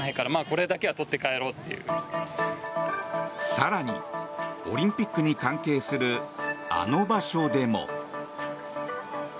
更に、オリンピックに関係するあの場所でも。